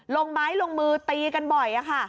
ลงไม้ลงมือตีกันบ่อยค่ะ